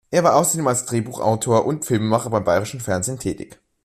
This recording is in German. Er war außerdem als Drehbuchautor und Filmemacher beim Bayerischen Fernsehen tätig.